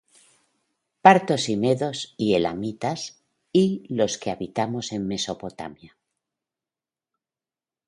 Partos y Medos, y Elamitas, y los que habitamos en Mesopotamia,